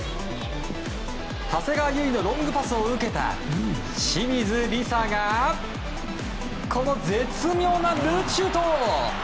長谷川唯のロングパスを受けた清水梨紗がこの絶妙なループシュート！